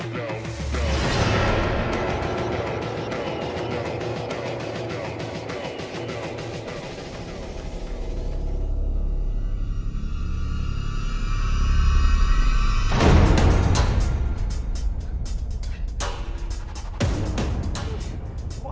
ซักอย่าง